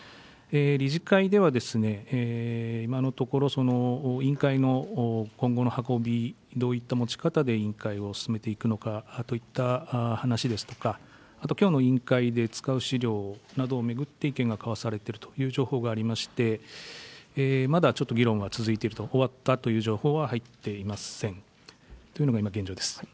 理事会では、今のところ、委員会の今後の運び、どういった持ち方で委員会を進めていくのかといった話ですとか、あときょうの委員会で使う資料などを巡って意見が交わされているという情報がありまして、まだちょっと議論は続いていると、終わったという情報は入っていませんというのが今現状です。